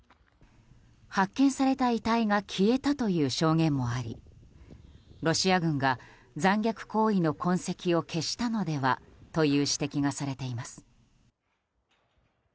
発見された遺体が消えたという証言もありロシア軍が残虐行為の痕跡を消したのではという指摘がされています。